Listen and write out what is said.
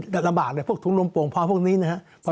ระบาดเลยพวกถุงลมโปรงพร้อมพวกนี้นะครับ